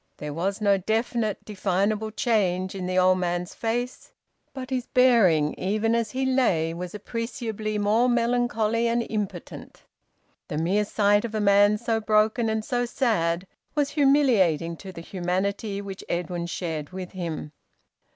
There was no definite, definable change in the old man's face, but his bearing, even as he lay, was appreciably more melancholy and impotent. The mere sight of a man so broken and so sad was humiliating to the humanity which Edwin shared with him.